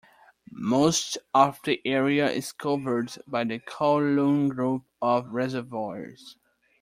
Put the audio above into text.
Most of the area is covered by the Kowloon Group of Reservoirs.